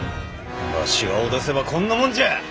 わしが脅せばこんなもんじゃ！